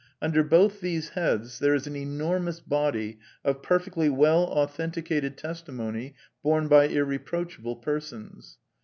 Under both these heads there is an enormous body of perfectly well authenticated testimony borne by irreproachable persons.